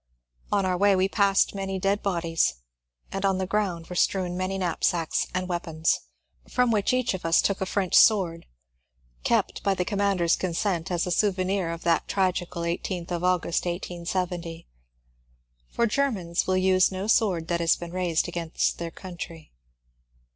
On our way we passed many dead bodies, and on the ground were strewn many knap sacks and weapons, — from which each of us took a French sword (kept, by the commander's consent, as souvenir of that OTTO 6UNTHER 237 tragical eighteenth of Augost, 1870 ; for Germans will use no sword that has been raised against their country).